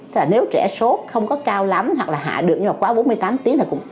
thế là nếu trẻ sốt không có cao lắm hoặc là hạ được nhưng mà quá bốn mươi tám tiếng